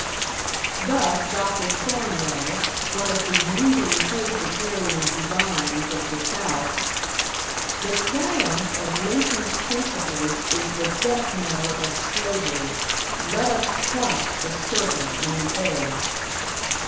Thus Dr. Thornwell, one of the leading Presbyterian divines of the South: "The triumph of Lincoln's principles is the death knell of slavery.... Let us crush the serpent in the egg."